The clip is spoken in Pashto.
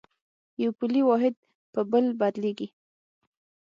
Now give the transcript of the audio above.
یو پولي واحد په بل بدلېږي.